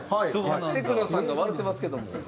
てく乃さんが笑てますけども。